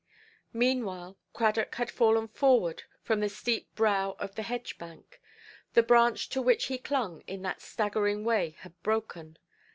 Meanwhile, Cradock had fallen forward from the steep brow of the hedge–bank; the branch to which he clung in that staggering way had broken.